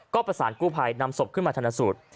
ก็ประสานกู้ภัยนำศพขึ้นมาธนสูตร